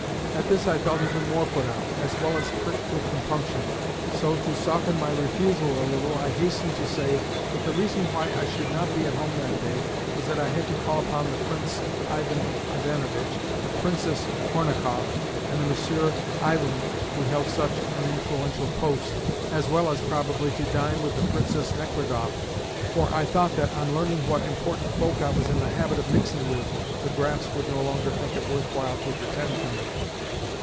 At this I felt even more put out, as well as pricked with compunction; so, to soften my refusal a little, I hastened to say that the reason why I should not be at home that day was that I had to call upon the PRINCE Ivan Ivanovitch, the PRINCESS Kornakoff, and the Monsieur Iwin who held such an influential post, as well as, probably, to dine with the PRINCESS Nechludoff (for I thought that, on learning what important folk I was in the habit of mixing with, the Graps would no longer think it worth while to pretend to me).